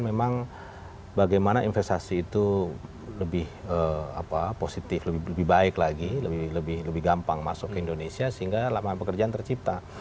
memang bagaimana investasi itu lebih positif lebih baik lagi lebih gampang masuk ke indonesia sehingga lapangan pekerjaan tercipta